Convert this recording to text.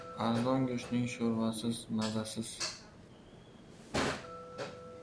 • Arzon go‘shtning sho‘rvasiz mazasiz.